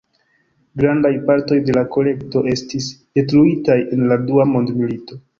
Grandaj partoj de la kolekto estis detruitaj en la dua mondmilito.